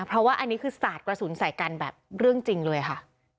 เพราะว่าอันนี้คือสาดกระสุนใส่กันแบบเรื่องจริงเลยค่ะ